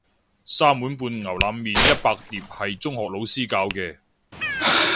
三碗半牛腩麵一百碟係中學老師教嘅